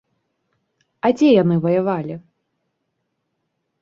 А дзе яны ваявалі?